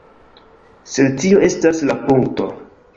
Sed tio estas la punkto.